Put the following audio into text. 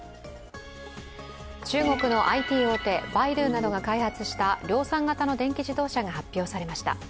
中国のＩＴ大手、バイドゥなどが発表した量産型の電気自動車が発表されました。